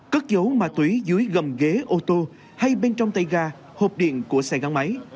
cất dấu ma túy dưới gầm ghế ô tô hay bên trong tay ga hộp điện của xe gắn máy